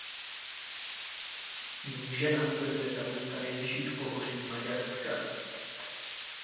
Níže následuje tabulka nejvyšších pohoří Maďarska.